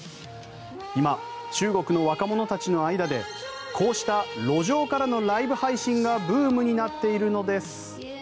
今、中国の若者たちの間でこうした路上からのライブ配信がブームになっているのです。